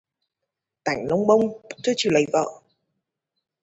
Tánh lông bông, chưa chịu lấy vợ